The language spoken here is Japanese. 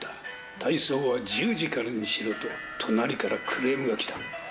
体操は１０時からにしろと、隣からクレームが来た。